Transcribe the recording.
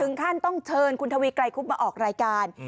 ขั้นต้องเชิญคุณทวีไกรคุบมาออกรายการ